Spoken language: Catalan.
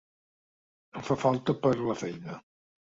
Em fa falta per la feina.